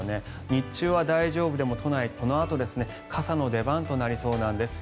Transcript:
日中は大丈夫でも都内、このあと傘の出番となりそうなんです。